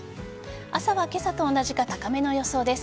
朝は今朝と同じか高めの予想です。